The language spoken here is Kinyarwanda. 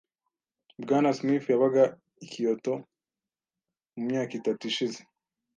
Bwana Smith yabaga i Kyoto mu myaka itatu ishize .